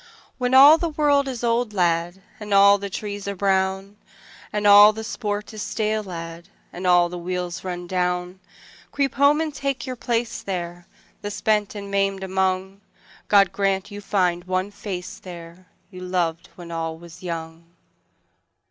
When all the world is old, lad, And all the trees are brown; And all the sport is stale, lad, And all the wheels run down: Creep home and take your place there, The spent and maimed among: God grant you find one face there, You loved when all was young.